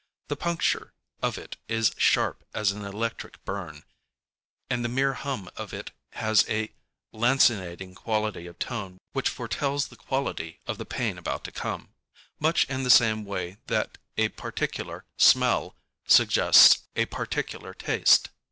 The puncture of it is sharp as an electric burn; and the mere hum of it has a lancinating quality of tone which foretells the quality of the pain about to come, ŌĆömuch in the same way that a particular smell suggests a particular taste.